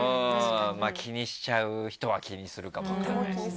気にしちゃう人は気にするかも分かんないですね。